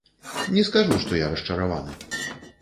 Не скажу, што я расчараваны.